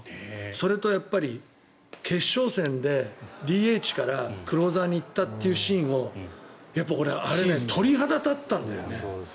それと、決勝戦でＤＨからクローザーに行ったというシーンをやっぱり俺、あれ鳥肌が立ったんだよね。